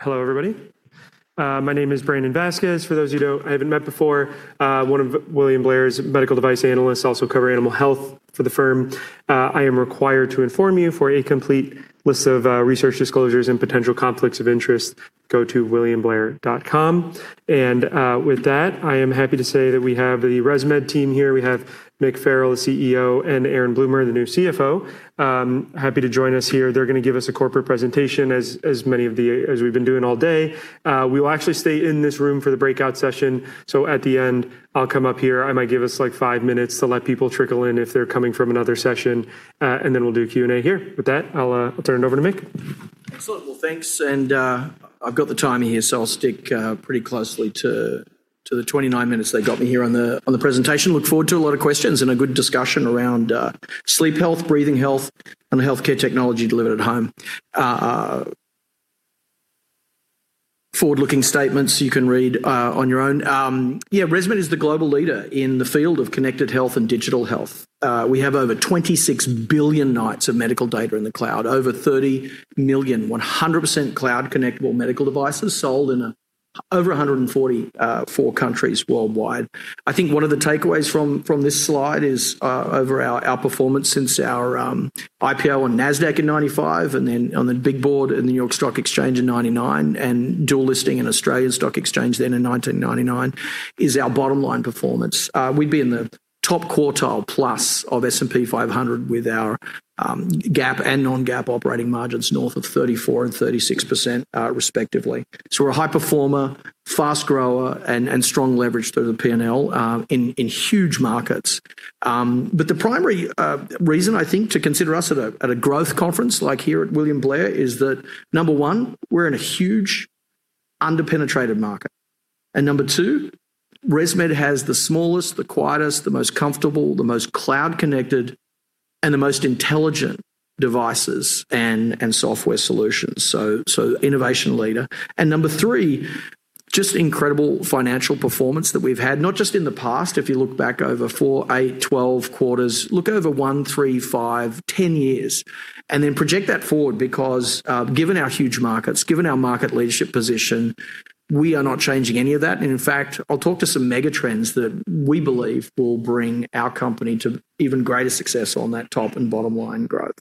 Hello everybody. My name is Brandon Vazquez. For those who I haven't met before, one of William Blair's medical device analysts also cover animal health for the firm. I am required to inform you for a complete list of research disclosures and potential conflicts of interest, go to williamblair.com. With that, I am happy to say that we have the ResMed team here. We have Mick Farrell, the CEO, and Aaron Bloomer, the new CFO. Happy to join us here. They're going to give us a corporate presentation as we've been doing all day. We will actually stay in this room for the breakout session. At the end, I'll come up here. I might give us five minutes to let people trickle in if they're coming from another session, and then we'll do a Q&A here. With that, I'll turn it over to Mick. Excellent. Well, thanks. I've got the timing here, so I'll stick pretty closely to the 29 minutes they got me here on the presentation. Look forward to a lot of questions and a good discussion around sleep health, breathing health, and healthcare technology delivered at home. Forward-looking statements you can read on your own. Yeah, ResMed is the global leader in the field of connected health and digital health. We have over 26 billion nights of medical data in the cloud. Over 30 million 100% cloud-connectable medical devices sold in over 144 countries worldwide. I think one of the takeaways from this slide is over our outperformance since our IPO on NASDAQ in 1995 and then on the Big Board in the New York Stock Exchange in 1999 and dual listing in Australian Stock Exchange then in 1999 is our bottom line performance. We'd be in the top quartile plus of S&P 500 with our GAAP and non-GAAP operating margins north of 34% and 36% respectively. We're a high performer, fast grower and strong leverage through the P&L, in huge markets. The primary reason I think to consider us at a growth conference like here at William Blair, is that number one, we're in a huge under-penetrated market. Number two, ResMed has the smallest, the quietest, the most comfortable, the most cloud-connected, and the most intelligent devices and software solutions. Innovation leader. Number three, just incredible financial performance that we've had. Not just in the past, if you look back over four, eight, 12 quarters. Look over one, three, five, 10 years, and then project that forward because, given our huge markets, given our market leadership position, we are not changing any of that. In fact, I'll talk to some megatrends that we believe will bring our company to even greater success on that top and bottom line growth.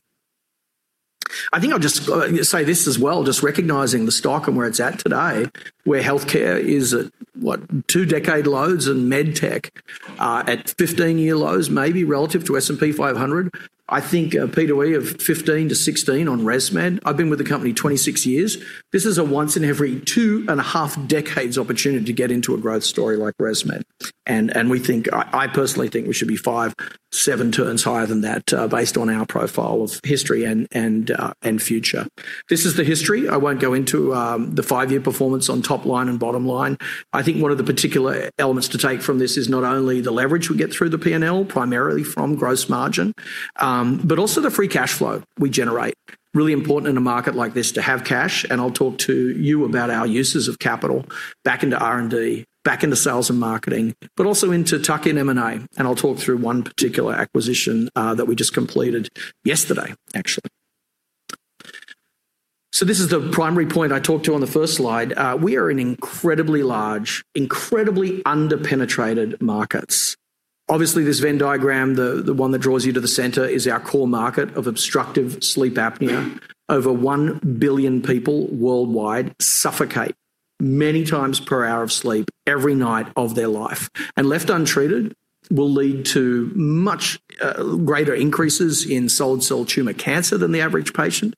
I think I'll just say this as well, just recognizing the stock and where it's at today, where healthcare is at, what? Two-decade lows in medtech, at 15-year lows maybe relative to S&P 500. I think a P/E of 15 to 16 on ResMed. I've been with the company 26 years. This is a once in every two and a half decades opportunity to get into a growth story like ResMed. I personally think we should be five, seven turns higher than that, based on our profile of history and future. This is the history. I won't go into the five-year performance on top line and bottom line. I think one of the particular elements to take from this is not only the leverage we get through the P&L, primarily from gross margin, but also the free cash flow we generate. Really important in a market like this to have cash, and I'll talk to you about our uses of capital back into R&D, back into sales and marketing, but also into tuck-in M&A, and I'll talk through one particular acquisition that we just completed yesterday, actually. This is the primary point I talked to on the first slide. We are in incredibly large, incredibly under-penetrated markets. Obviously, this Venn diagram, the one that draws you to the center is our core market of Obstructive Sleep Apnea. Over one billion people worldwide suffocate many times per hour of sleep every night of their life. Left untreated, will lead to much greater increases in solid tumor cancer than the average patient,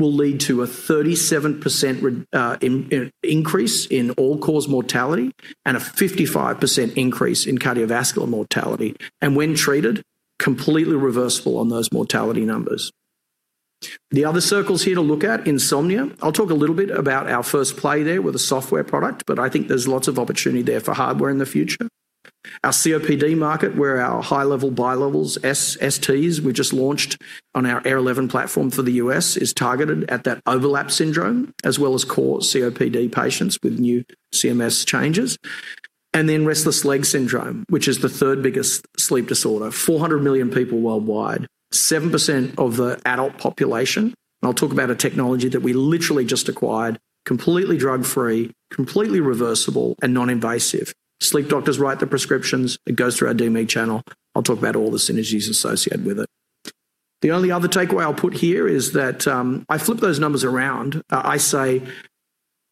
will lead to a 37% increase in all-cause mortality, and a 55% increase in cardiovascular mortality. When treated, completely reversible on those mortality numbers. The other circles here to look at, insomnia. I'll talk a little bit about our first play there with a software product, but I think there's lots of opportunity there for hardware in the future. Our COPD market, where our high-level bilevels, STs, we just launched on our AirSense 11 platform for the U.S., is targeted at that overlap syndrome, as well as core COPD patients with new CMS changes. Restless Legs Syndrome, which is the third biggest sleep disorder. 400 million people worldwide. 7% of the adult population. I'll talk about a technology that we literally just acquired, completely drug-free, completely reversible, and non-invasive. Sleep doctors write the prescriptions. It goes through our DME channel. I'll talk about all the synergies associated with it. The only other takeaway I'll put here is that. I flip those numbers around. I say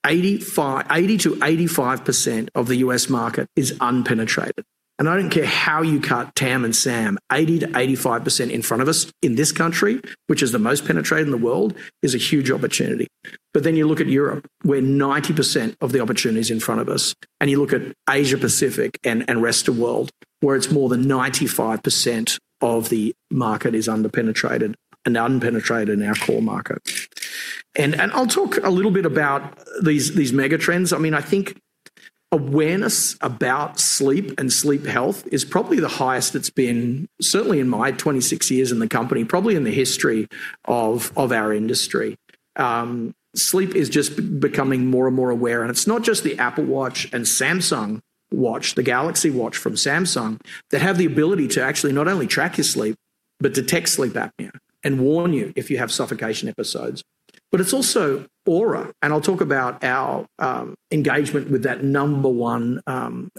80%-85% of the U.S. market is unpenetrated. I don't care how you cut TAM and SAM, 80-85% in front of us in this country, which is the most penetrated in the world, is a huge opportunity. You look at Europe, where 90% of the opportunity's in front of us, and you look at Asia-Pacific and rest of world, where it's more than 95% of the market is under-penetrated and unpenetrated in our core market. I'll talk a little bit about these mega trends. I think awareness about sleep and sleep health is probably the highest it's been, certainly in my 26 years in the company, probably in the history of our industry. Sleep is just becoming more and more aware, and it's not just the Apple Watch and Samsung Watch, the Galaxy Watch from Samsung, that have the ability to actually not only track your sleep but detect sleep apnea and warn you if you have suffocation episodes. It's also Oura, and I'll talk about our engagement with that number one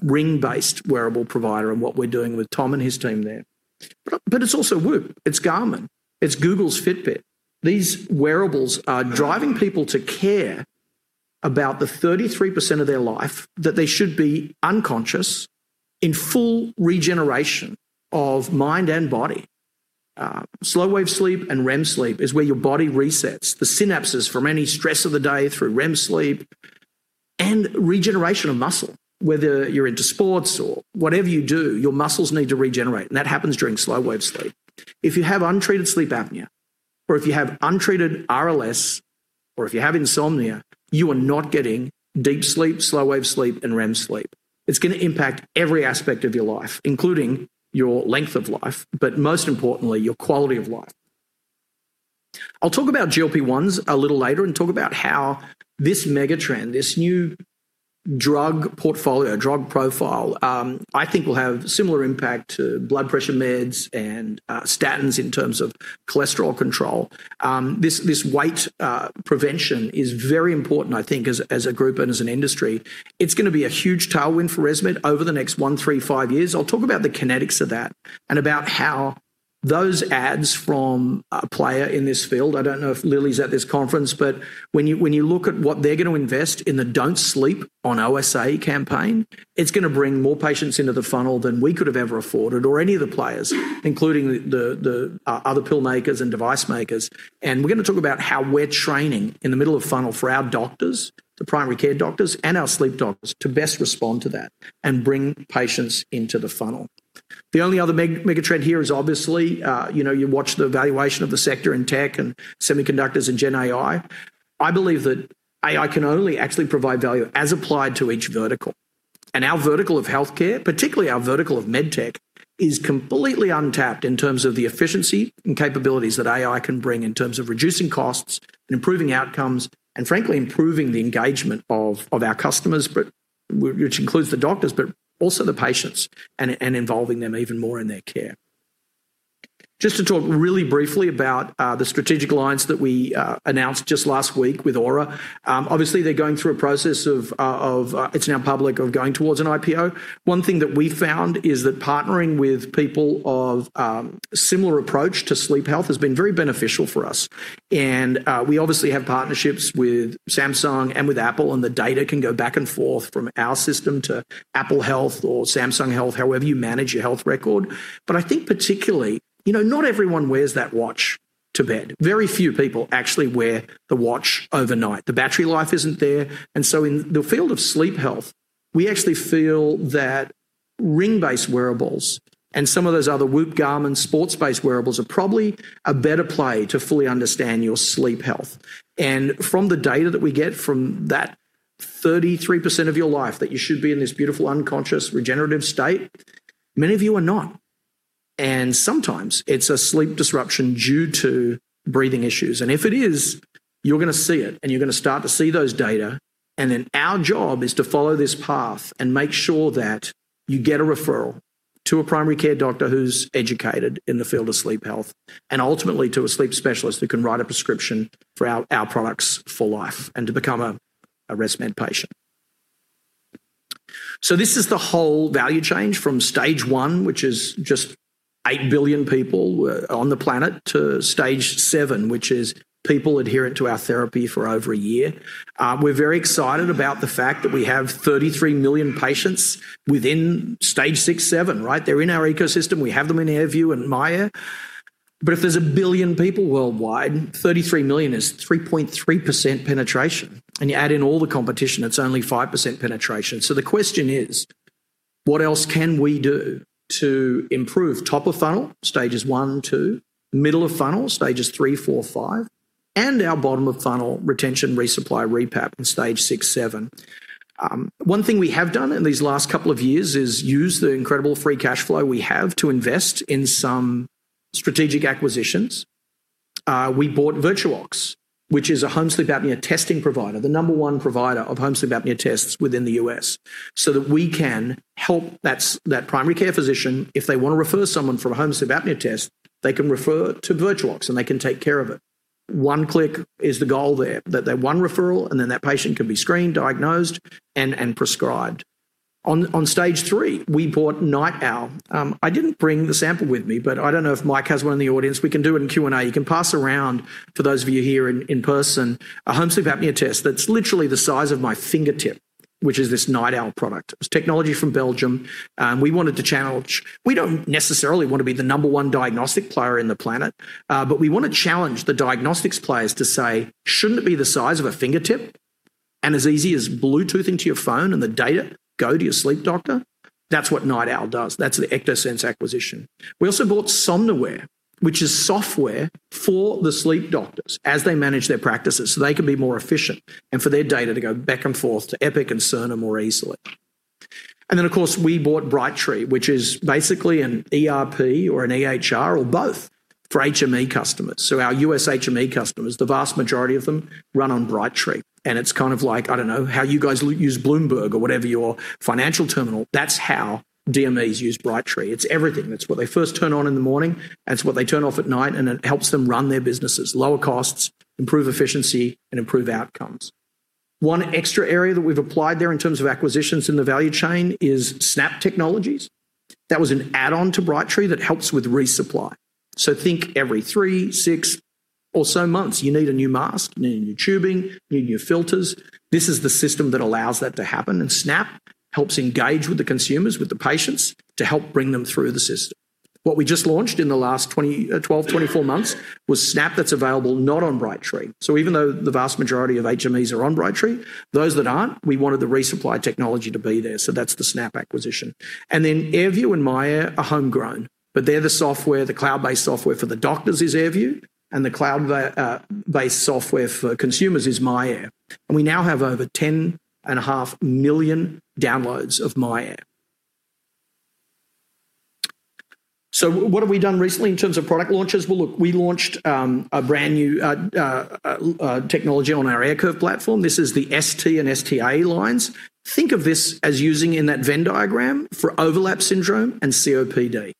ring-based wearable provider and what we're doing with Tom and his team there. It's also Whoop, it's Garmin, it's Google's Fitbit. These wearables are driving people to care about the 33% of their life that they should be unconscious in full regeneration of mind and body. Slow-wave sleep and REM sleep is where your body resets the synapses from any stress of the day through REM sleep, and regeneration of muscle. Whether you're into sports or whatever you do, your muscles need to regenerate, and that happens during slow-wave sleep. If you have untreated sleep apnea, or if you have untreated RLS, or if you have insomnia, you are not getting deep sleep, slow-wave sleep, and REM sleep. It's going to impact every aspect of your life, including your length of life, but most importantly, your quality of life. I'll talk about GLP-1s a little later and talk about how this mega trend, this new drug portfolio, drug profile, I think will have similar impact to blood pressure meds and statins in terms of cholesterol control. This weight prevention is very important, I think, as a group and as an industry. It's going to be a huge tailwind for ResMed over the next one, three, five years. I'll talk about the kinetics of that and about how those ads from a player in this field, I don't know if Lilly's at this conference, but when you look at what they're going to invest in the Don't Sleep on OSA campaign, it's going to bring more patients into the funnel than we could have ever afforded or any of the players, including the other pill makers and device makers. We're going to talk about how we're training in the middle of funnel for our doctors, the primary care doctors, and our sleep doctors to best respond to that and bring patients into the funnel. The only other mega trend here is obviously, you watch the valuation of the sector in tech and semiconductors and Gen AI. I believe that AI can only actually provide value as applied to each vertical. Our vertical of healthcare, particularly our vertical of med tech, is completely untapped in terms of the efficiency and capabilities that AI can bring in terms of reducing costs and improving outcomes, and frankly, improving the engagement of our customers, which includes the doctors, but also the patients, and involving them even more in their care. Just to talk really briefly about the strategic alliance that we announced just last week with Oura. Obviously, they're going through a process of, it's now public, of going towards an IPO. One thing that we found is that partnering with people of similar approach to sleep health has been very beneficial for us. We obviously have partnerships with Samsung and with Apple, and the data can go back and forth from our system to Apple Health or Samsung Health, however you manage your health record. I think particularly, not everyone wears that watch to bed. Very few people actually wear the watch overnight. The battery life isn't there. In the field of sleep health, we actually feel that ring-based wearables and some of those other Whoop, Garmin, sports-based wearables are probably a better play to fully understand your sleep health. From the data that we get from that 33% of your life that you should be in this beautiful, unconscious, regenerative state, many of you are not. Sometimes it's a sleep disruption due to breathing issues. If it is, you're going to see it, you're going to start to see those data, our job is to follow this path and make sure that you get a referral to a primary care doctor who's educated in the field of sleep health, ultimately to a sleep specialist who can write a prescription for our products for life and to become a ResMed patient. This is the whole value change from stage 1, which is just 8 billion people on the planet, to stage 7, which is people adherent to our therapy for over a year. We're very excited about the fact that we have 33 million patients within stage 6, 7. They're in our ecosystem. We have them in AirView and myAir. If there's 1 billion people worldwide, 33 million is 3.3% penetration. You add in all the competition, it's only 5% penetration. The question is, what else can we do to improve top of funnel, stages one, two, middle of funnel, stages three, four, five, and our bottom of funnel, retention, resupply, repap in stage six, seven? One thing we have done in these last couple of years is use the incredible free cash flow we have to invest in some strategic acquisitions. We bought VirtuOx, which is a home sleep apnea testing provider, the number one provider of home sleep apnea tests within the U.S., so that we can help that primary care physician, if they want to refer someone for a home sleep apnea test, they can refer to VirtuOx, and they can take care of it. One click is the goal there, that one referral, and then that patient can be screened, diagnosed, and prescribed. On stage three, we bought NightOwl. I didn't bring the sample with me, but I don't know if Mike has one in the audience. We can do it in Q&A. You can pass around, for those of you here in person, a home sleep apnea test that's literally the size of my fingertip, which is this NightOwl product. It's technology from Belgium. We wanted to challenge. We don't necessarily want to be the number one diagnostic player in the planet, but we want to challenge the diagnostics players to say, shouldn't it be the size of a fingertip and as easy as Bluetoothing to your phone and the data go to your sleep doctor? That's what NightOwl does. That's the Ectosense acquisition. We also bought Somnoware, which is software for the sleep doctors as they manage their practices, so they can be more efficient and for their data to go back and forth to Epic and Cerner more easily. Of course, we bought Brightree, which is basically an ERP or an EHR or both for HME customers. Our U.S. HME customers, the vast majority of them run on Brightree. It's kind of like, I don't know, how you guys use Bloomberg or whatever your financial terminal, that's how DMEs use Brightree. It's everything. It's what they first turn on in the morning, and it's what they turn off at night, and it helps them run their businesses. Lower costs, improve efficiency, and improve outcomes. One extra area that we've applied there in terms of acquisitions in the value chain is Snap Diagnostics. That was an add-on to Brightree that helps with resupply. Think every three, six or so months, you need a new mask, you need new tubing, you need new filters. This is the system that allows that to happen, Snap helps engage with the consumers, with the patients, to help bring them through the system. What we just launched in the last 12, 24 months was SNAP that's available not on Brightree. Even though the vast majority of HMEs are on Brightree, those that aren't, we wanted the resupply technology to be there, that's the SNAP acquisition. AirView and myAir are homegrown, but they're the software. The cloud-based software for the doctors is AirView, and the cloud-based software for consumers is myAir. We now have over 10.5 million downloads of myAir. What have we done recently in terms of product launches? Look, we launched a brand new technology on our AirCurve platform. This is the ST and ST-A lines. Think of this as using in that Venn diagram for overlap syndrome and COPD.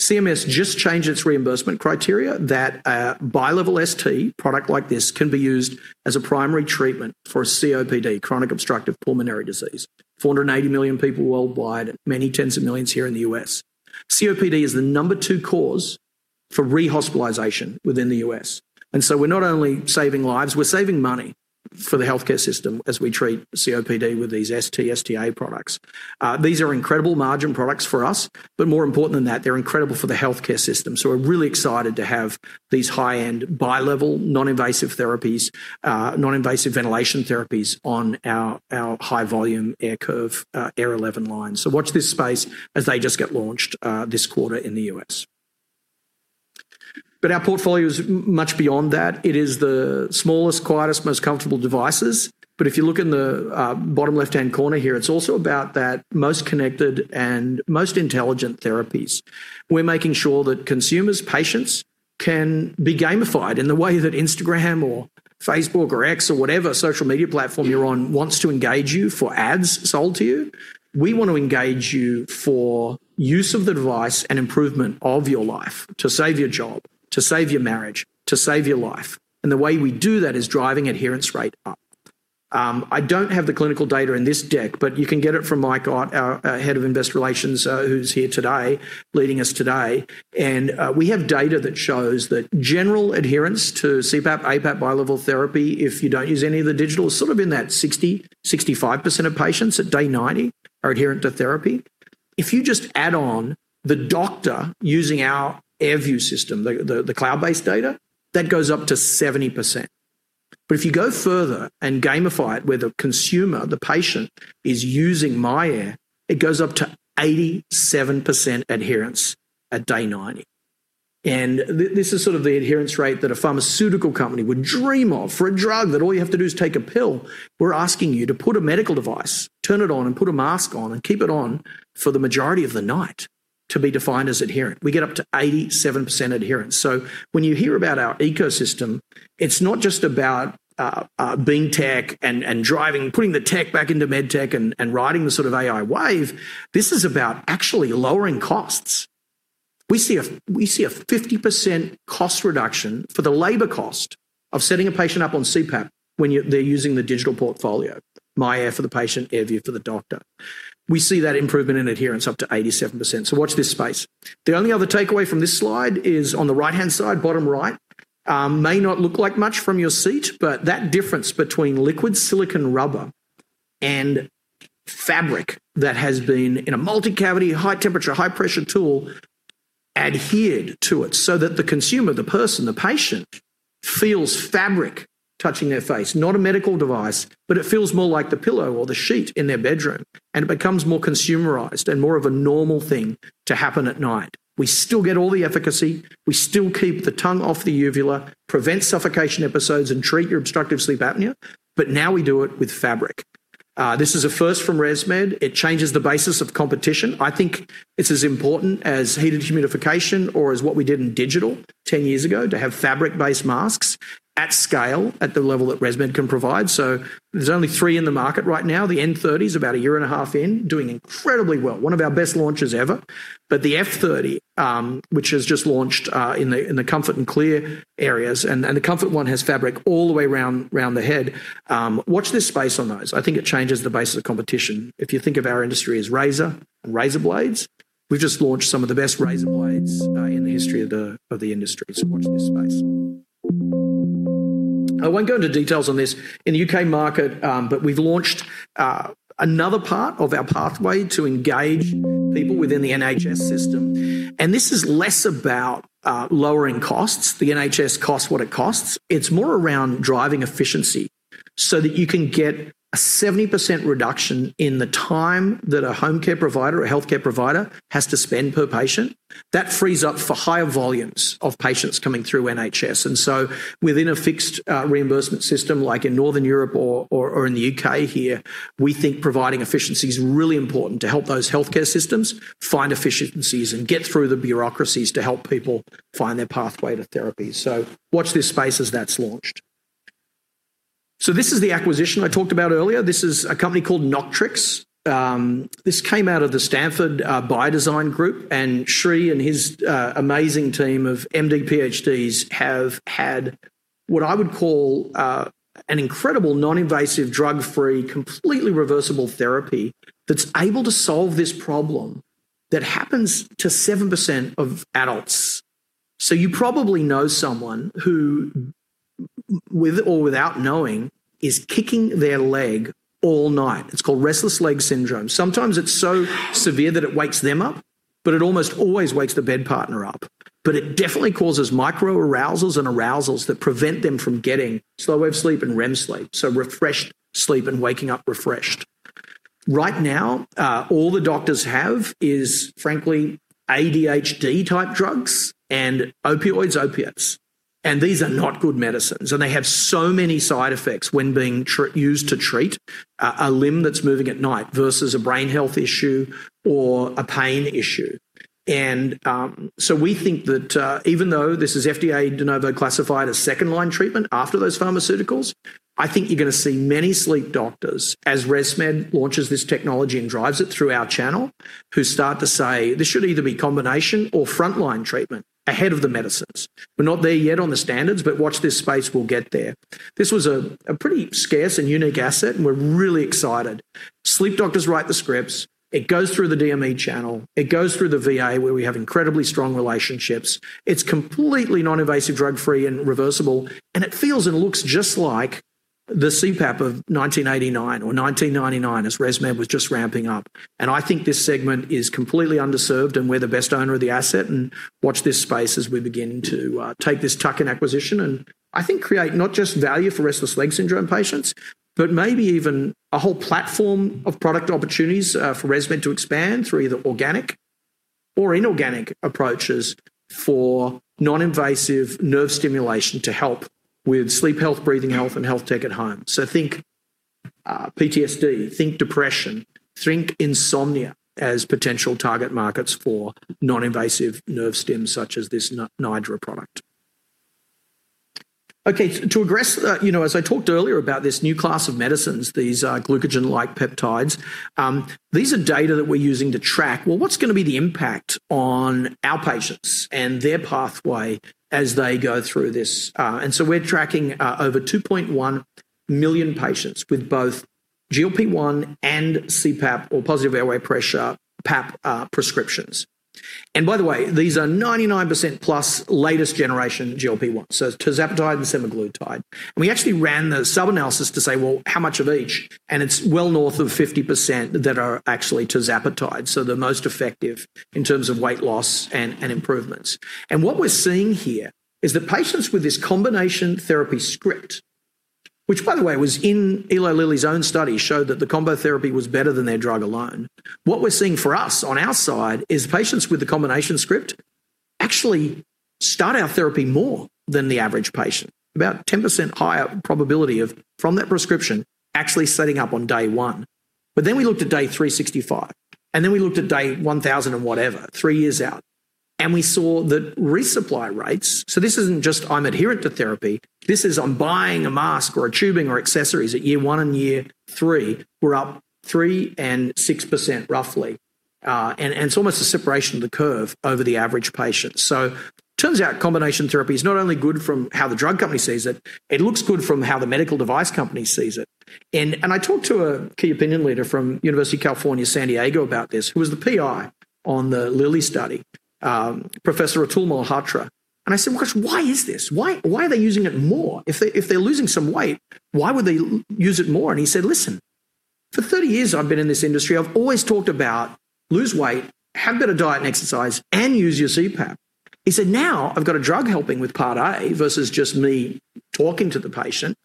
CMS just changed its reimbursement criteria that a bilevel ST, product like this, can be used as a primary treatment for COPD, chronic obstructive pulmonary disease. 480 million people worldwide, many tens of millions here in the U.S. COPD is the number 2 cause for rehospitalization within the U.S. We're not only saving lives, we're saving money for the healthcare system as we treat COPD with these ST-A products. These are incredible margin products for us, more important than that, they're incredible for the healthcare system. We're really excited to have these high-end bilevel, non-invasive therapies, non-invasive ventilation therapies on our high-volume AirCurve 11 line. Watch this space as they just get launched this quarter in the U.S. Our portfolio is much beyond that. It is the smallest, quietest, most comfortable devices. If you look in the bottom left-hand corner here, it's also about that most connected and most intelligent therapies. We're making sure that consumers, patients, can be gamified in the way that Instagram or Facebook or X or whatever social media platform you're on wants to engage you for ads sold to you. We want to engage you for use of the device and improvement of your life, to save your job, to save your marriage, to save your life. The way we do that is driving adherence rate up. I don't have the clinical data in this deck, but you can get it from Mike Ott, our Head of Investor Relations who's here today, leading us today. We have data that shows that general adherence to CPAP, APAP bilevel therapy, if you don't use any of the digital, sort of in that 60%, 65% of patients at day 90 are adherent to therapy. If you just add on the doctor using our AirView system, the cloud-based data, that goes up to 70%. If you go further and gamify it where the consumer, the patient, is using myAir, it goes up to 87% adherence at day 90. This is sort of the adherence rate that a pharmaceutical company would dream of for a drug that all you have to do is take a pill. We're asking you to put a medical device, turn it on, and put a mask on, and keep it on for the majority of the night to be defined as adherent. We get up to 87% adherence. When you hear about our ecosystem, it's not just about being tech and putting the tech back into med tech and riding the sort of AI wave. This is about actually lowering costs. We see a 50% cost reduction for the labor cost of setting a patient up on CPAP when they're using the digital portfolio, myAir for the patient, AirView for the doctor. We see that improvement in adherence up to 87%. Watch this space. The only other takeaway from this slide is on the right-hand side, bottom right. May not look like much from your seat, but that difference between liquid silicone rubber and fabric that has been in a multi-cavity, high-temperature, high-pressure tool adhered to it so that the consumer, the person, the patient, feels fabric touching their face, not a medical device, but it feels more like the pillow or the sheet in their bedroom, and it becomes more consumerized and more of a normal thing to happen at night. We still get all the efficacy. We still keep the tongue off the uvula, prevent suffocation episodes, and treat your Obstructive Sleep Apnea. Now we do it with fabric. This is a first from ResMed. It changes the basis of competition. I think it's as important as heated humidification or as what we did in digital 10 years ago to have fabric-based masks at scale at the level that ResMed can provide. There's only three in the market right now. The N30's about a year and a half in, doing incredibly well. One of our best launches ever. The F30, which has just launched in the comfort and clear areas, and the comfort one has fabric all the way around the head. Watch this space on those. I think it changes the basis of competition. If you think of our industry as razor and razor blades, we've just launched some of the best razor blades in the history of the industry. Watch this space. I won't go into details on this. In the U.K. market, but we've launched another part of our pathway to engage people within the NHS system. This is less about lowering costs. The NHS costs what it costs. It's more around driving efficiency so that you can get a 70% reduction in the time that a home care provider or healthcare provider has to spend per patient. That frees up for higher volumes of patients coming through NHS. Within a fixed reimbursement system like in Northern Europe or in the U.K. here, we think providing efficiency's really important to help those healthcare systems find efficiencies and get through the bureaucracies to help people find their pathway to therapy. Watch this space as that's launched. This is the acquisition I talked about earlier. This is a company called Noctrix. This came out of the Stanford Biodesign group, and Sri and his amazing team of MD PhDs have had what I would call an incredible non-invasive, drug-free, completely reversible therapy that's able to solve this problem that happens to 7% of adults. You probably know someone who, with or without knowing, is kicking their leg all night. It's called Restless Legs Syndrome. Sometimes it's so severe that it wakes them up, but it almost always wakes the bed partner up. It definitely causes micro-arousals and arousals that prevent them from getting slow-wave sleep and REM sleep. Refreshed sleep and waking up refreshed. Right now, all the doctors have is frankly ADHD type drugs and opioids, opiates. These are not good medicines, and they have so many side effects when being used to treat a limb that's moving at night versus a brain health issue or a pain issue. We think that even though this is FDA de novo classified as second-line treatment after those pharmaceuticals, I think you're going to see many sleep doctors, as ResMed launches this technology and drives it through our channel, who start to say, This should either be combination or frontline treatment ahead of the medicines. We're not there yet on the standards, watch this space, we'll get there. This was a pretty scarce and unique asset, and we're really excited. Sleep doctors write the scripts. It goes through the DME channel. It goes through the VA, where we have incredibly strong relationships. It's completely non-invasive, drug-free, and reversible, and it feels and looks just like the CPAP of 1989 or 1999 as ResMed was just ramping up. I think this segment is completely underserved, and we're the best owner of the asset, and watch this space as we begin to take this tuck-in acquisition and I think create not just value for Restless Legs Syndrome patients, but maybe even a whole platform of product opportunities for ResMed to expand through either organic or inorganic approaches for non-invasive nerve stimulation to help with sleep health, breathing health, and health tech at home. Think PTSD, think depression, think insomnia as potential target markets for non-invasive nerve stims such as this Nidra product. To address, as I talked earlier about this new class of medicines, these glucagon-like peptides. These are data that we're using to track, well, what's going to be the impact on our patients and their pathway as they go through this? We're tracking over 2.1 million patients with both GLP-1 and CPAP or positive airway pressure PAP prescriptions. By the way, these are 99% plus latest generation GLP-1, so tirzepatide and semaglutide. We actually ran the sub-analysis to say, well, how much of each? It's well north of 50% that are actually tirzepatide, so the most effective in terms of weight loss and improvements. What we're seeing here is that patients with this combination therapy script, which by the way was in Eli Lilly's own study, showed that the combo therapy was better than their drug alone. What we're seeing for us on our side is patients with the combination script actually start our therapy more than the average patient. About 10% higher probability of, from that prescription, actually setting up on day one. We looked at day 365, and we looked at day 1,000 and whatever, three years out. We saw that resupply rates, so this isn't just I'm adherent to therapy, this is I'm buying a mask or a tubing or accessories at year one and year three, were up 3% and 6% roughly. It's almost a separation of the curve over the average patient. Turns out combination therapy is not only good from how the drug company sees it looks good from how the medical device company sees it. I talked to a key opinion leader from University of California, San Diego about this, who was the PI on the Lilly study, Professor Atul Malhotra. I said, Well, of course, why is this? Why are they using it more? If they're losing some weight, why would they use it more? He said, Listen, for 30 years I've been in this industry, I've always talked about lose weight, have better diet and exercise, and use your CPAP. He said, Now I've got a drug helping with Part A versus just me talking to the patient,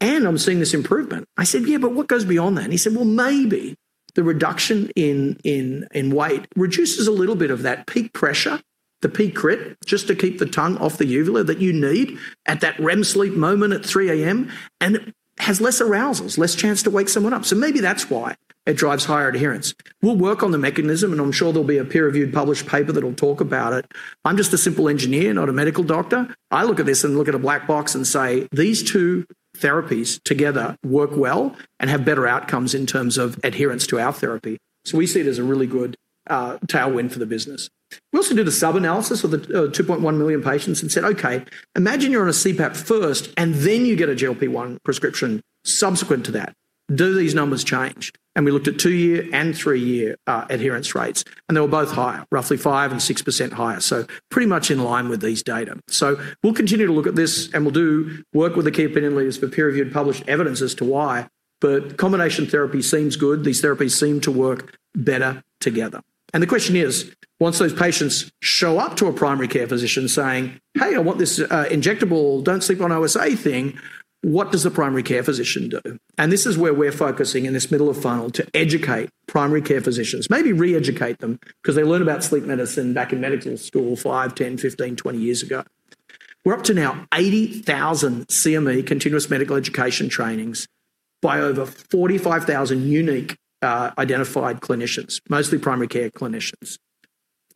and I'm seeing this improvement. I said, Yeah, what goes beyond that? He said, Well, maybe the reduction in weight reduces a little bit of that peak pressure, the Pcrit, just to keep the tongue off the uvula that you need at that REM sleep moment at 3:00 a.m. It has less arousals, less chance to wake someone up. Maybe that's why it drives higher adherence. We'll work on the mechanism, I'm sure there'll be a peer-reviewed published paper that'll talk about it. I'm just a simple engineer, not a medical doctor. I look at this and look at a black box and say, these two therapies together work well and have better outcomes in terms of adherence to our therapy. We see it as a really good tailwind for the business. We also did a sub-analysis of the 2.1 million patients and said, okay, imagine you're on a CPAP first and then you get a GLP-1 prescription subsequent to that. Do these numbers change? We looked at two-year and three-year adherence rates, and they were both higher, roughly 5% and 6% higher. Pretty much in line with these data. We'll continue to look at this, and we'll do work with the key opinion leaders for peer-reviewed published evidence as to why. Combination therapy seems good. These therapies seem to work better together. The question is, once those patients show up to a primary care physician saying, Hey, I want this injectable, Don't Sleep on OSA thing, what does the primary care physician do? This is where we're focusing in this middle of funnel to educate primary care physicians, maybe re-educate them, because they learned about sleep medicine back in medical school five, 10, 15, 20 years ago. We're up to now 80,000 CME continuous medical education trainings by over 45,000 unique identified clinicians, mostly primary care clinicians.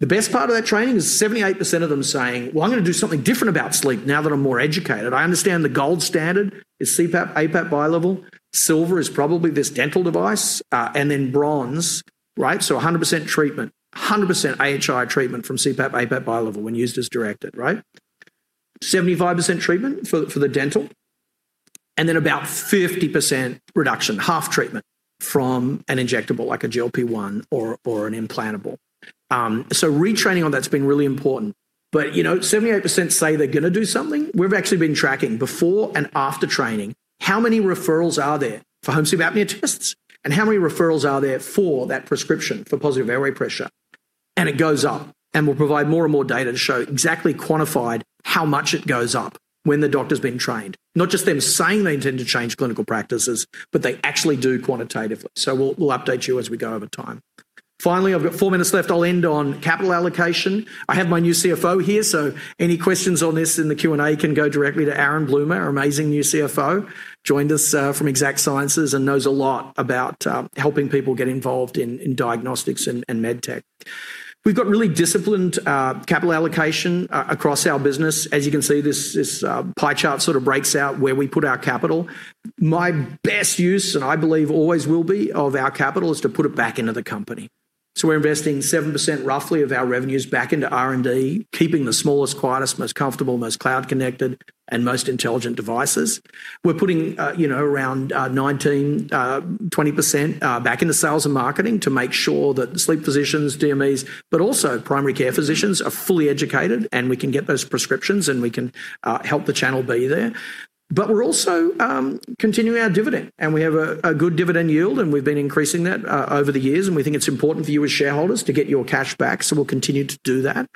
The best part of that training is 78% of them saying, Well, I'm going to do something different about sleep now that I'm more educated. I understand the gold standard is CPAP, APAP, bilevel. Silver is probably this dental device, and then bronze. Right? 100% treatment, 100% AHI treatment from CPAP, APAP, bilevel when used as directed, right? 75% treatment for the dental. Then about 50% reduction, half treatment from an injectable like a GLP-1 or an implantable. Retraining on that's been really important. 78% say they're going to do something. We've actually been tracking before and after training how many referrals are there for home sleep apnea tests and how many referrals are there for that prescription for positive airway pressure. It goes up. We'll provide more and more data to show exactly quantified how much it goes up when the doctor's been trained. Not just them saying they intend to change clinical practices, they actually do quantitatively. We'll update you as we go over time. Finally, I've got four minutes left. I'll end on capital allocation. I have my new CFO here. Any questions on this in the Q&A can go directly to Aaron Bloomer, our amazing new CFO. Joined us from Exact Sciences and knows a lot about helping people get involved in diagnostics and med tech. We've got really disciplined capital allocation across our business. As you can see, this pie chart sort of breaks out where we put our capital. My best use, and I believe always will be, of our capital is to put it back into the company. We're investing 7% roughly of our revenues back into R&D, keeping the smallest, quietest, most comfortable, most cloud connected, and most intelligent devices. We're putting around 19%, 20% back into sales and marketing to make sure that sleep physicians, DMEs, but also primary care physicians are fully educated, and we can get those prescriptions and we can help the channel be there. We are also continuing our dividend, and we have a good dividend yield, and we have been increasing that over the years, and we think it is important for you as shareholders to get your cash back. We will continue to do that.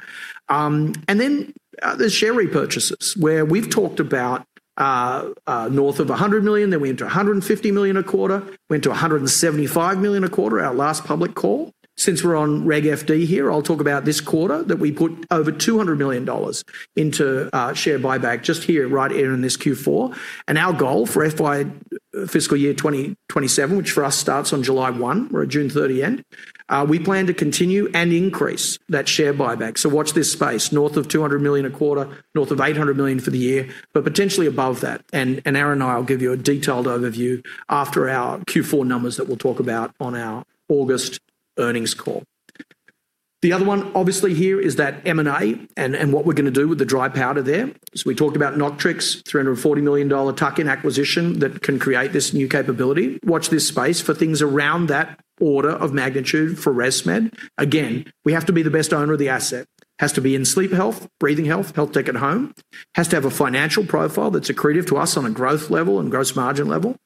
There is share repurchases where we have talked about north of $100 million, then we went to $150 million a quarter, went to $175 million a quarter our last public call. Since we are on Reg FD here, I will talk about this quarter that we put over $200 million into share buyback just here right here in this Q4. Our goal for FY fiscal year 2027, which for us starts on July 1, we are a June 30 end, we plan to continue and increase that share buyback. Watch this space. North of $200 million a quarter, north of $800 million for the year, but potentially above that. Aaron Bloomer and I will give you a detailed overview after our Q4 numbers that we'll talk about on our August earnings call. The other one obviously here is that M&A and what we're going to do with the dry powder there. We talked about Noctrix, $340 million tuck-in acquisition that can create this new capability. Watch this space for things around that order of magnitude for ResMed. Again, we have to be the best owner of the asset. Has to be in sleep health, breathing health tech at home. Has to have a financial profile that's accretive to us on a growth level and gross margin level.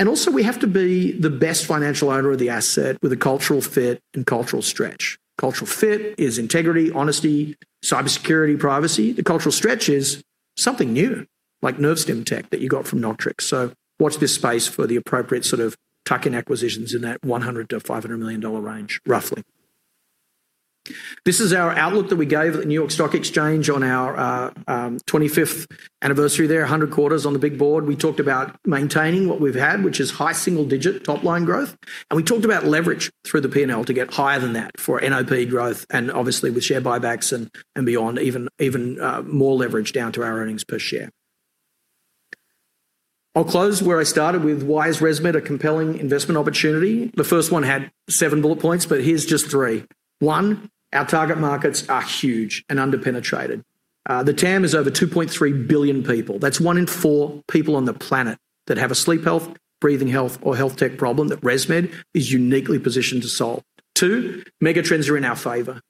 Also we have to be the best financial owner of the asset with a cultural fit and cultural stretch. Cultural fit is integrity, honesty, cybersecurity, privacy. Watch this space for the appropriate sort of tuck-in acquisitions in that $100 million-$500 million range, roughly. This is our outlook that we gave at the New York Stock Exchange on our 25th anniversary there, 100 quarters on the Big Board. We talked about maintaining what we've had, which is high single-digit top-line growth, and we talked about leverage through the P&L to get higher than that for NOP growth and obviously with share buybacks and beyond, even more leverage down to our earnings per share. I'll close where I started with why is ResMed a compelling investment opportunity? The first one had seven bullet points, but here's just three. One, our target markets are huge and under-penetrated. The TAM is over 2.3 billion people. That's one in four people on the planet that have a sleep health, breathing health, or health tech problem that ResMed is uniquely positioned to solve. Two megatrends are in our favor.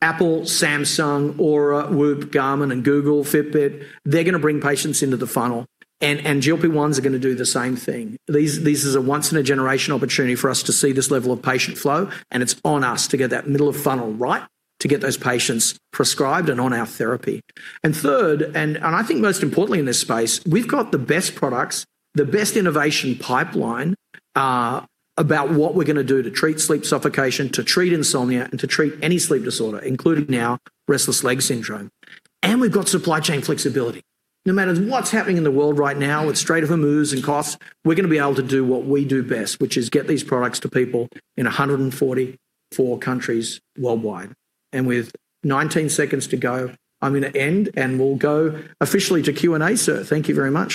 Apple, Samsung, Oura, Whoop, Garmin, and Google Fitbit, they're going to bring patients into the funnel, and GLP-1s are going to do the same thing. This is a once in a generation opportunity for us to see this level of patient flow, and it's on us to get that middle of funnel right to get those patients prescribed and on our therapy. Third, and I think most importantly in this space, we've got the best products, the best innovation pipeline about what we're going to do to treat sleep suffocation, to treat insomnia, and to treat any sleep disorder, including now Restless Legs Syndrome. We've got supply chain flexibility. No matter what's happening in the world right now with rate of moves and costs, we're going to be able to do what we do best, which is get these products to people in 144 countries worldwide. With 19 seconds to go, I'm going to end, and we'll go officially to Q&A, sir. Thank you very much